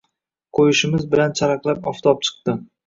Qo‘yishimiz bilan charaqlab oftob chiqdi.